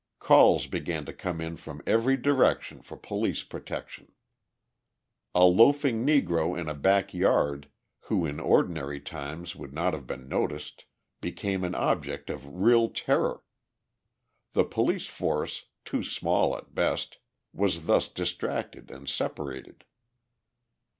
Calls began to come in from every direction for police protection. A loafing Negro in a backyard, who in ordinary times would not have been noticed, became an object of real terror. The police force, too small at best, was thus distracted and separated.